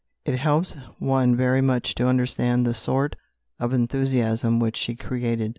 It helps one very much to understand the sort of enthusiasm which she created.